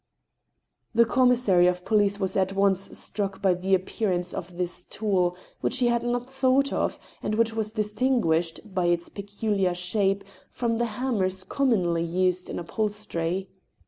The commissary of police was at once struck by the appearance of this tool, which he had not thought of, and which was distin guished, by its peculiar shape, from the hammers commonly used in upholstery.